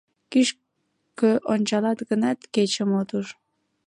Кӱшкӧ ончалат гынат, кечым от уж.